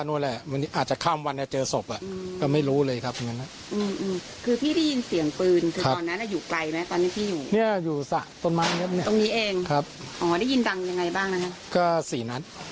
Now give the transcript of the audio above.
๔นัดเลี่ยงกันหรือว่าไง